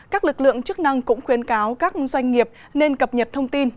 các lực lượng chức năng cũng khuyên cáo các doanh nghiệp nên cập nhật thông tin